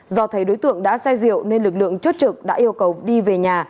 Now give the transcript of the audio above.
do thấy đối tượng đã say rượu nên lực lượng chốt trực đã yêu cầu đi về nhà